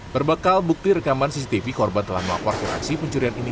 berbekal bukti rekaman cctv korban telah melaporkan aksi pencurian ini